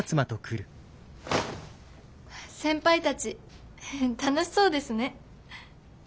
先輩たち楽しそうですね。